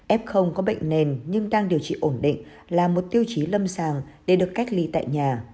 f có bệnh nền nhưng đang điều trị ổn định là một tiêu chí lâm sàng để được cách ly tại nhà